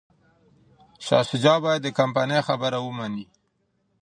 شاه شجاع باید د کمپانۍ خبره ومني.